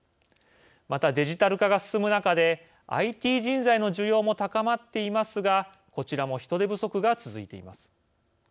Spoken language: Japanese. また、デジタル化が進む中でＩＴ人材の需要も高まっていますがこちらも人手不足が続いています。